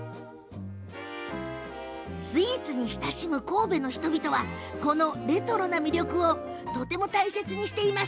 スイーツに親しむ神戸の人々はこのレトロな魅力をとても大切にしています。